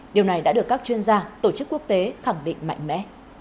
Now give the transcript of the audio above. điều này đã được các chuyên gia tổ chức quốc tế khẳng định mạnh mẽ